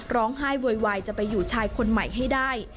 ร้องไห้วัยจะไปอยู่ชายคนใหม่ให้ได้